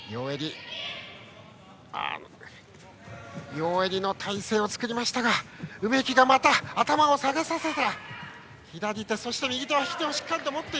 両襟の体勢を作るが梅木がまた頭を下げさせた。